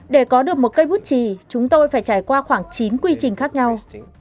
để có được một cây bút trì chúng tôi phải trải qua khoảng chín quy trình khác nhau